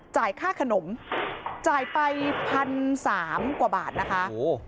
จ่ายค่าขนมจ่ายไป๑๓๐๐บาทนะคะ